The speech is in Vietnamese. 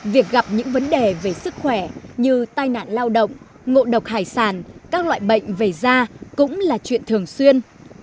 việc gặp những vấn đề về sức khỏe như tai nạn lao động ngộ độc hải sản các loại bệnh về da cũng là chuyện thường xuyên